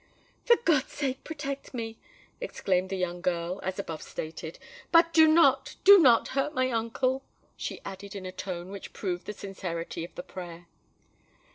"For God's sake protect me!" exclaimed the young girl, as above stated; "but do not—do not hurt my uncle," she added in a tone which proved the sincerity of the prayer.